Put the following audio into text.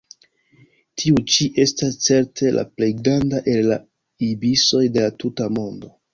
Tiu ĉi estas certe la plej granda el la ibisoj de la tuta mondo.